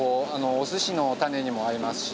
お寿司の種にも合いますし。